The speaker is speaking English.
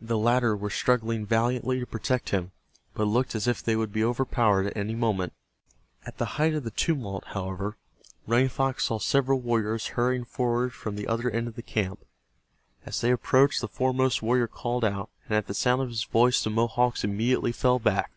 The latter were struggling valiantly to protect him, but it looked as if they would be overpowered at any moment. At the height of the tumult, however, Running Fox saw several warriors hurrying forward from the other end of the camp. As they approached, the foremost warrior called out, and at the sound of his voice the Mohawks immediately fell back.